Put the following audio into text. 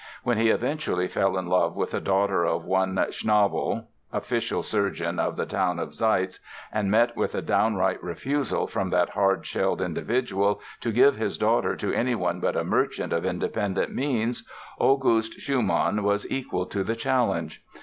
When he eventually fell in love with a daughter of one Schnabel, official surgeon of the town of Zeitz, and met with a downright refusal from that hard shelled individual to give his daughter to anyone but a merchant of independent means, August Schumann was equal to the challenge.